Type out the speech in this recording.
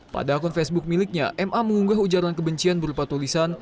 pada akun facebook miliknya ma mengunggah ujaran kebencian berupa tulisan